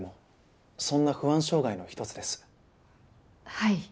はい。